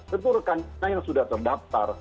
tentu rekannya yang sudah terdaftar